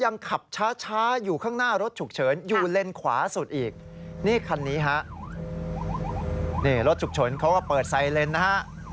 นี่รถฉุกเฉินเขาก็เปิดไซเล็นนะฮะ